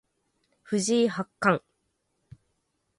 藤井八冠